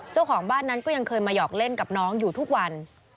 เจ้าของบ้านนั้นก็ยังเคยมาหยอกเล่นกับน้องอยู่ทุกวัน